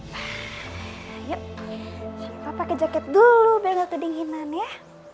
papa pake jaket dulu biar gak kedinginan ya